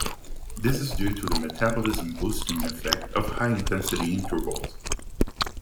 This is due to the metabolism-boosting effects of high intensity intervals.